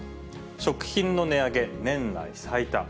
食品の値上げ年内最多。